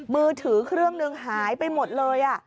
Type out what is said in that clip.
มือถือเครื่องหนึ่งหายไปหมดเลย